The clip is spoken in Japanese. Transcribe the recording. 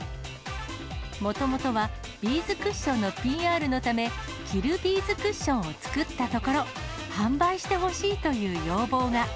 もともとはビーズクッションのＰＲのため、着るビーズクッションを作ったところ、販売してほしいという要望が。